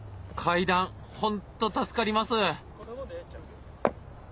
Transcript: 階段本当助かります。